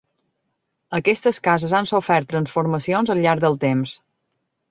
Aquestes cases han sofert transformacions al llarg del temps.